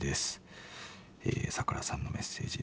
サクラさんのメッセージ